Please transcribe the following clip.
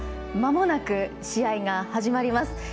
まもなく試合が始まります。